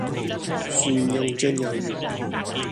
蒜茸蒸魷魚